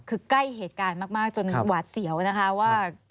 คือใกล้เหตุการณ์มากจนหวาดเสียวนะคะว่า